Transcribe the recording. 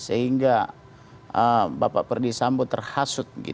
sehingga bapak perdisambo terhasut